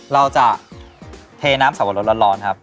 เราจะเทน้ำสวรรค์ร้อนครับ